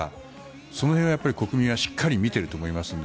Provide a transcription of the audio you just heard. その辺を国民はしっかり見ていると思いますので